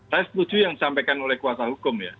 saya setuju yang disampaikan oleh kuasa hukum ya